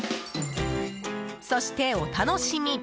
そして、お楽しみ！